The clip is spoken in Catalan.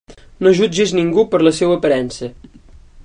No jutgis ningú per la seua aparença.